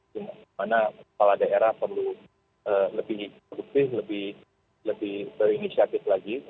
di mana kepala daerah perlu lebih produktif lebih berinisiatif lagi